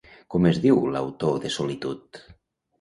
Com es diu l'autor de "Solitud"?